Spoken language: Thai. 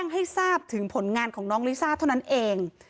ให้ทราบถึงผลงานของน้องลิซ่าเท่านั้นเอง